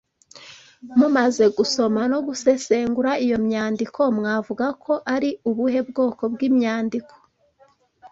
Mumaze gusoma no gusesengura iyo myandiko mwavuga ko ari ubuhe bwoko bw’imyandiko